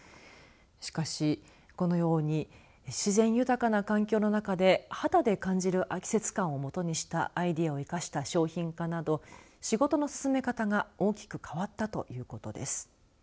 しかし、このように自然豊かな環境の中で肌で感じる季節感をもとにしたアイデアを生かした商品化など仕事の進め方が大きく変わったということです。